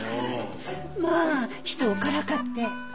まあ人をからかって。